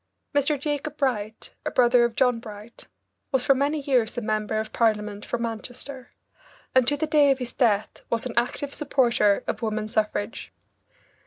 Mr. Jacob Bright, a brother of John Bright, was for many years member of Parliament for Manchester, and to the day of his death was an active supporter of woman suffrage.